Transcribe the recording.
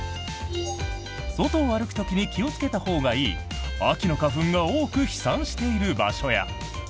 外を歩く時に気をつけたほうがいい秋の花粉が多く飛散している場所や。